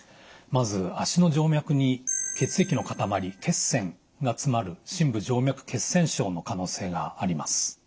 まず脚の静脈に血液の塊血栓が詰まる深部静脈血栓症の可能性があります。